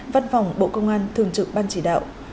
văn phòng bộ công an thường trực ban chỉ đạo